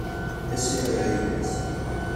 Ad s-iεir ayla-s.